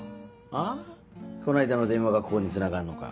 あぁこの間の電話がここにつながるのか。